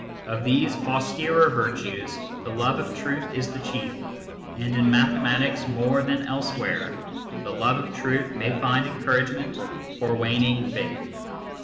Of these austerer virtues the love of truth is the chief, and in mathematics, more than else where, the love of truth may find encouragement for wan ing faith.